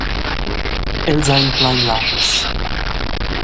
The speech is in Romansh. Els ein plein larmas.